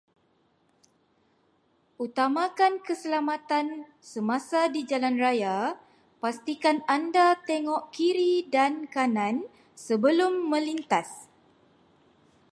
Utamakan keselamatan semasa di jalan raya, pastikan anda tengok kiri dan kanan sebelum menlintas.